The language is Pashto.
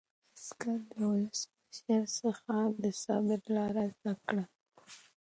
عسکر له ولسمشر څخه د صبر لاره زده کړه.